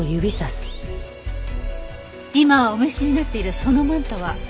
今お召しになっているそのマントは？